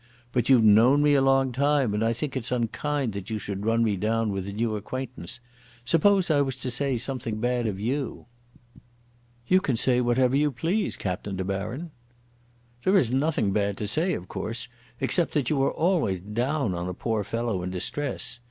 But you've known me a long time, and I think it's unkind that you should run me down with a new acquaintance. Suppose I was to say something bad of you." "You can say whatever you please, Captain De Baron." "There is nothing bad to say, of course, except that you are always down on a poor fellow in distress.